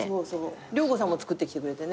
良子さんも作ってきてくれてね。